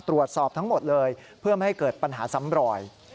ตรวจสอบทั้งหมดเลยเพื่อไม่ให้เกิดปัญหาซ้ำรอย